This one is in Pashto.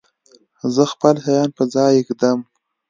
زه خپل شیان په ځای ږدم.